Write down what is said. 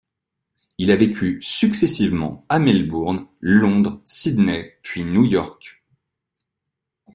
Il a vécu successivement à Melbourne, Londres, Sydney puis New York.